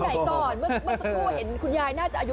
ไหนก่อนเมื่อสักครู่เห็นคุณยายน่าจะอายุ